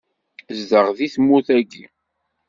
Zdeɣ di tmurt-agi.